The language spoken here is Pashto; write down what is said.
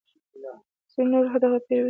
ځینو نورو د هغه پیروي کړې ده.